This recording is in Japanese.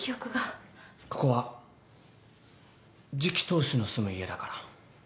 ここは次期当主の住む家だから。